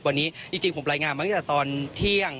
วันนี้จริงผมรายงานมาตั้งแต่ตอนเที่ยง